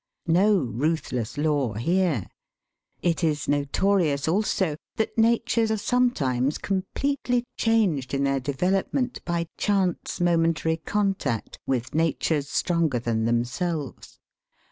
No ruthless law here! It is notorious, also, that natures are sometimes completely changed in their development by chance momentary contact with natures stronger than themselves.